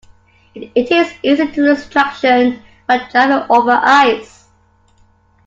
It is easy to lose traction while driving over ice.